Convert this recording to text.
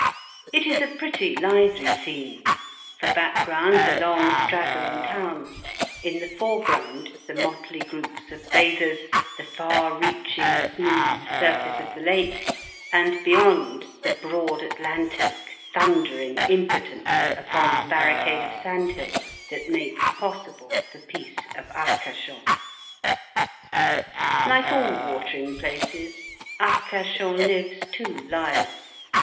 It is a pretty, lively scene. For background the long straggling town; in the foreground the motley groups of bathers, the far reaching smooth surface of the lake; and, beyond, the broad Atlantic, thundering impotently upon the barricade of sandhills that makes possible the peace of Arcachon. Like all watering places, Arcachon lives two lives.